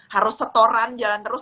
harus setoran jalan terus